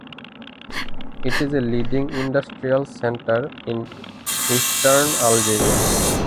It is a leading industrial centre in eastern Algeria.